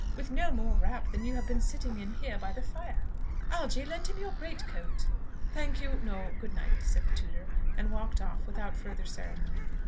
with no more wrap than you have been sitting in, here by the fire! Algy, lend him your great coat." "Thank you, no. Good night," said the tutor, and walked off without further ceremony.